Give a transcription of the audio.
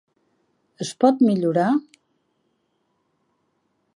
Es pot millorar?